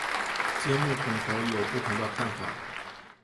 节目统筹有不同的看法。